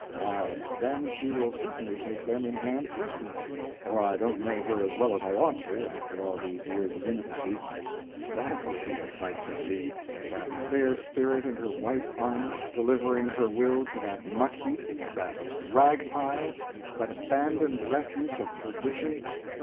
Why, then she will certainly take them in hand personally, or I don't know her as well as I ought to, after all these years of intimacy. That will be a sight to see—that fair spirit in her white armor, delivering her will to that muck heap, that rag pile, that abandoned refuse of perdition."